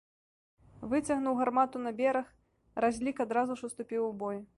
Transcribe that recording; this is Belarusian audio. Выцягнуў гармату на бераг, разлік адразу ж уступіў у бой.